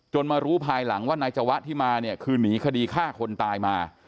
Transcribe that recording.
มารู้ภายหลังว่านายจวะที่มาเนี่ยคือหนีคดีฆ่าคนตายมา